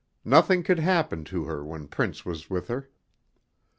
Nothing could happen to her when Prince was with her.